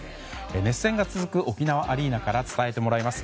熱戦が続く沖縄アリーナから伝えてもらいます。